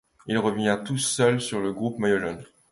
Il revient tout seul sur le groupe maillot jaune.